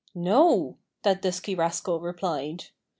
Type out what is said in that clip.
"No!" that dusky rascal replied.